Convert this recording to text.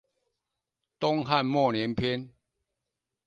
東漢末年篇